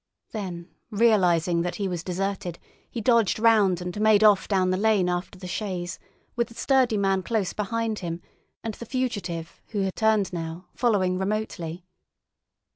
Then, realising that he was deserted, he dodged round and made off down the lane after the chaise, with the sturdy man close behind him, and the fugitive, who had turned now, following remotely.